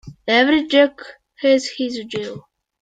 Every Jack has his Jill.